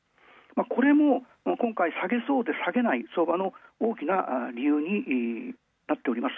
これも今回下げそうで下げない相場の大きな理由になっております